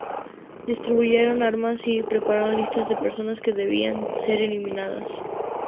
Distribuyeron armas y prepararon listas de personas que debían ser eliminadas.